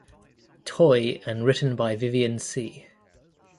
Toye and written by Vivian Tse.